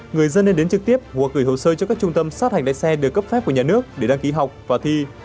người dân nên đến trực tiếp hoặc gửi hồ sơ cho các trung tâm sát hành vé xe được cấp phép của nhà nước để đăng ký học và thi